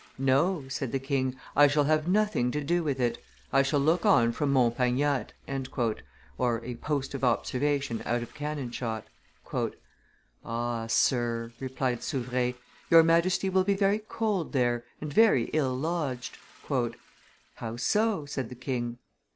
"No," said the king; "I shall have nothing to do with it; I shall look on from Mont Pagnotte" (a post of observation out of cannon shot). "Ah, sir," replied Souvre, "your Majesty will be very cold there, and very ill lodged." " How so?" said the king.